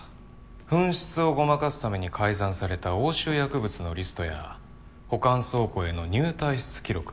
紛失をごまかすために改ざんされた押収薬物のリストや保管倉庫への入退室記録。